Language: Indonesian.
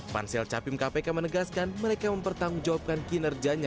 pansel capim kpk menegaskan mereka mempertanggungjawabkan kinerjanya